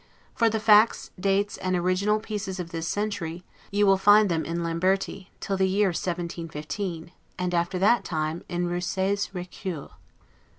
For the facts, dates, and original pieces of this century, you will find them in Lamberti, till the year 1715, and after that time in Rousset's 'Recueil'.